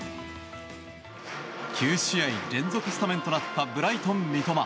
９試合連続スタメンとなったブライトン、三笘。